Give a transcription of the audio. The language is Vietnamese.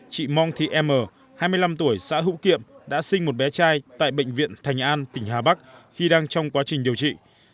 chị mong thị em m hai mươi năm tuổi xã hữu kiệm đã sinh một bé trai tại bệnh viện thành an tỉnh hà bắc khi đang trong quá trình điều trị